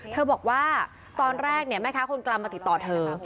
เธอบอกว่าตอนแรกแม่ค้าคนกลางมาติดต่อเธอ